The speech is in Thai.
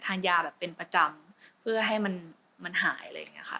ทานยาแบบเป็นประจำเพื่อให้มันหายอะไรอย่างนี้ค่ะ